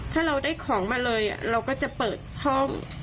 ถ้าเราได้ของมาเลยเราก็จะเปิดช่อง